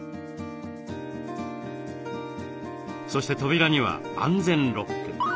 そして扉には安全ロック。